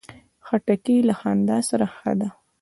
خټکی له خندا سره ښه ده.